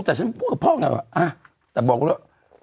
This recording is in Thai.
แต่ฉันพูดกับพ่อกันว่าอ่ะแต่บอกกันแล้ว